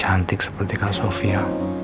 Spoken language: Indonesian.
cantik seperti kak sofia